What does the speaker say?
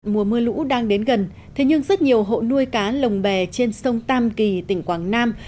mùa mưa lũ đang đến gần thế nhưng rất nhiều hộ nuôi cá lồng bè trên sông tam kỳ tỉnh quảng nam